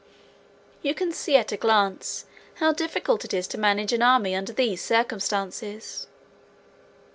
You can see at a glance how difficult it is to manage an army under these circumstances.